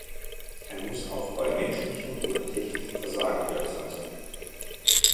Er muss auch bei menschlichem oder technischem Versagen wirksam sein.